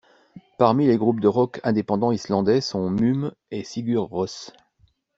Parmi les groupes de rock indépendant islandais sont Múm et Sigur Rós.